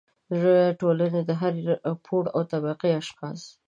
د ټولنې د هر پوړ او طبقې اشخاص